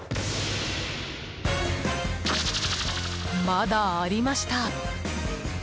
まだありました。